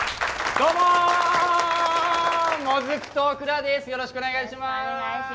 よろしくお願いします。